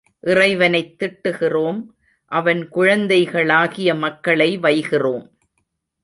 இறைவனைத் திட்டுகிறோம், அவன் குழந்தைகளாகிய மக்களை வைகிறோம்.